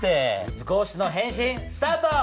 図工室の変身スタート！